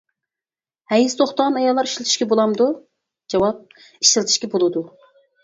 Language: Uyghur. ھەيز توختىغان ئاياللار ئىشلىتىشكە بولامدۇ جاۋاب: ئىشلىتىشكە بولىدۇ.